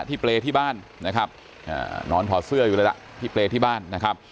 เปรย์ที่บ้านนะครับนอนถอดเสื้ออยู่เลยล่ะที่เปรย์ที่บ้านนะครับ